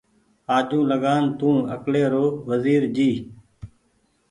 آجوٚنٚ لگآن تونٚ اڪلي رو وزير جي